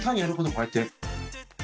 こうやって。